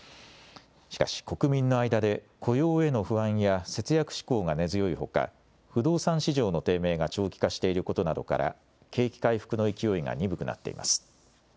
しかし国民の間で、雇用への不安や節約志向が根強いほか、不動産市場の低迷が長期化していることなどから、景気回復の勢いが鈍くなっています。